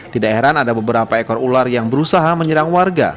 tidak heran ada beberapa ekor ular yang berusaha menyerang warga